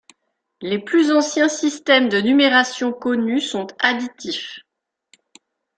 Les plus anciens systèmes de numérations connus sont additifs.